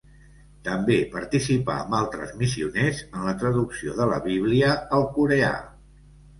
També participà amb altres missioners en la traducció de la Bíblia al coreà.